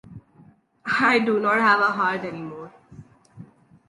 I do not have a heart anymore.